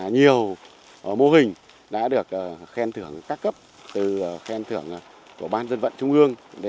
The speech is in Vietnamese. nhiều mô hình đã được khen thưởng các cấp từ khen thưởng của ban dân vận trung ương